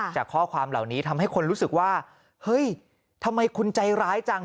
จากข้อความเหล่านี้ทำให้คนรู้สึกว่าเฮ้ยทำไมคุณใจร้ายจัง